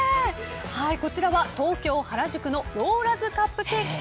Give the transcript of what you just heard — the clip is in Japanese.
こちらは東京・原宿のローラズ・カップケーキ